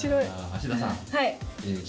芦田さん。